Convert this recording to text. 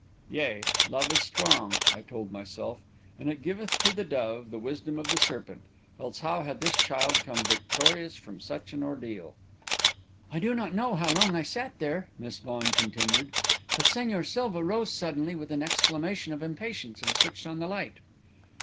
Yea, love is strong, I told myself, and it giveth to the dove the wisdom of the serpent, else how had this child come victorious from such an ordeal! "I do not know how long I sat there," Miss Vaughan continued, "but Señor Silva rose suddenly with an exclamation of impatience and switched on the light.